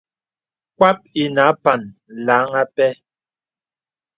Kpap ìnə àpan làŋ àpɛ.